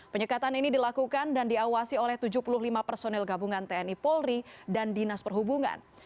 penyekatan ini dilakukan dan diawasi oleh tujuh puluh lima personil gabungan tni polri dan dinas perhubungan